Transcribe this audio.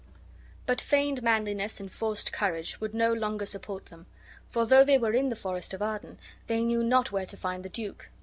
But feigned manliness and forced courage would no longer support them; for, though they were in the forest of Arden, they knew not where to find the duke.